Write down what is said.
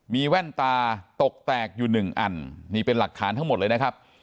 มีแว่นตาตกแตกอยู่หนึ่งอันนี่เป็นหลักฐานทั้งหมดเลยนะครับ